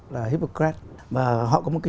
là hippocrates và họ có một